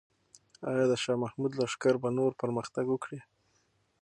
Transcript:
آیا د شاه محمود لښکر به نور پرمختګ وکړي؟